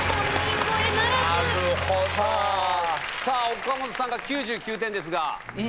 さぁ岡本さんが９９点ですが。